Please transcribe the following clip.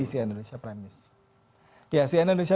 di cn indonesia prime news ya cn indonesia